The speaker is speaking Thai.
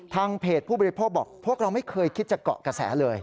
ทางเพจผู้บริโภคบอกพวกเราไม่เคยคิดจะเกาะกระแสเลย